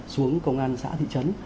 xuống công an xã thị trấn